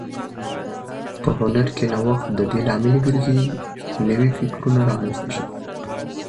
په هنر کې نوښت د دې لامل ګرځي چې نوي فکرونه رامنځته شي.